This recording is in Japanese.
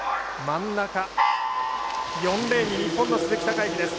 真ん中４レーンに日本の鈴木孝幸です。